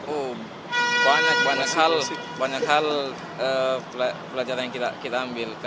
oh banyak hal pelajaran yang kita ambil